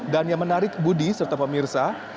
dan yang menarik budi serta pemirsa